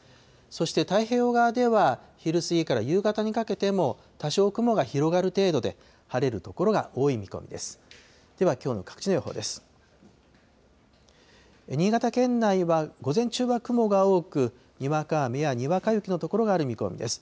そして太平洋側では、昼過ぎから夕方にかけても多少雲が広がる程度で、晴れる所が多い見込みです。